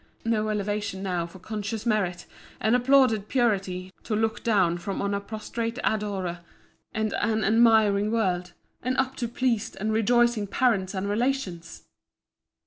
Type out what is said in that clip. No elevation now for conscious merit, and applauded purity, to look down from on a prostrate adorer, and an admiring world, and up to pleased and rejoicing parents and relations!